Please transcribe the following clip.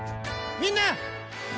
みんな！